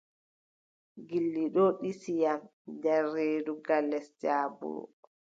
Gilɗi ɗon ɗisi yam nder reedu gal les jaabuuru.